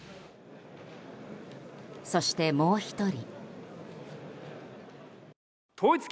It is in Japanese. そして、もう１人。